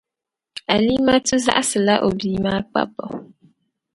Alimatu zaɣisila o bia maa kpabibu.